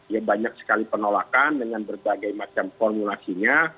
ya banyak sekali penolakan dengan berbagai macam formulasinya